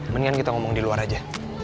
mendingan kita ngomong di luar aja